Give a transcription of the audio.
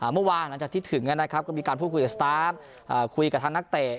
เมื่อวานหลังจากที่ถึงนะครับก็มีการพูดคุยกับสตาร์ฟคุยกับทางนักเตะ